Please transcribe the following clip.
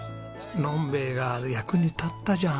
飲んべえが役に立ったじゃん！